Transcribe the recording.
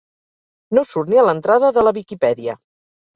No surt ni a l'entrada de la Wikipedia.